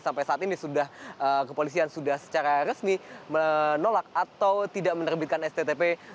sampai saat ini sudah kepolisian sudah secara resmi menolak atau tidak menerbitkan sttp